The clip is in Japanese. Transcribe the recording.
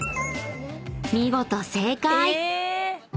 ［見事正解！］